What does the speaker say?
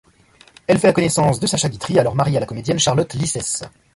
Elle fait la connaissance de Sacha Guitry, alors marié à la comédienne Charlotte Lysès.